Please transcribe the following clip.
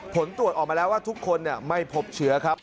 ผลตรวจออกมาแล้วว่าทุกคนไม่พบเชื้อครับ